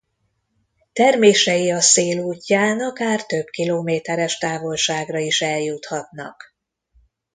Termései a szél útján akár több kilométeres távolságra is eljuthatnak.